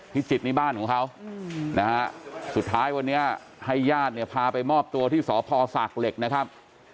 จิตนี่บ้านของเขานะฮะสุดท้ายวันนี้ให้ญาติเนี่ยพาไปมอบตัวที่สพศากเหล็กนะครับ